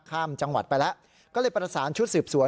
ข้ามจังหวัดไปแล้วก็เลยประสานชุดสืบสวน